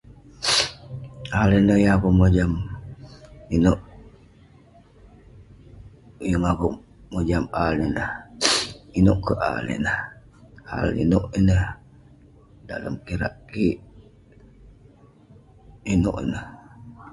Al ineh yeng akeuk mojam. Ineuk...yeng akeuk mojam AI ineh. Ineuk kek AI ineh. Al ineuk ineh, dalem kirak kik...ineuk ineh.